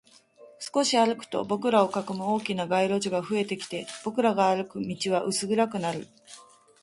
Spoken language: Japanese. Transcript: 少し歩くと、僕らを囲む大きな街路樹が増えてきて、僕らが歩く道は薄暗くなる